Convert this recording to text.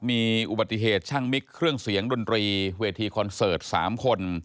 มีอุบัติเหตุช่างมิกเครื่องเสียงดนตรีเวทีคอนเสิร์ต๓คน